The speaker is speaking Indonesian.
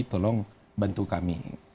tolong bantu kami